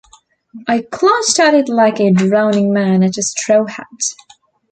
I clutched at it like a drowning man at a straw hat.